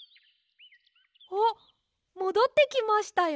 あっもどってきましたよ。